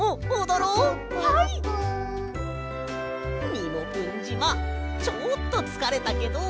みもぷんじまちょっとつかれたけど。